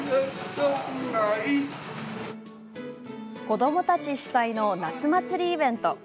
子どもたち主催の夏祭りイベント。